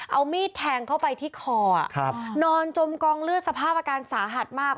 เอามีดแทงเข้าไปที่คอนอนจมกองเลือดสภาพอาการสาหัสมาก